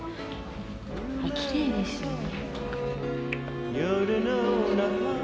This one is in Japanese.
きれいですよね。